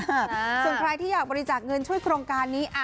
ส่วนใครที่อยากบริจาคเงินช่วยโครงการนี้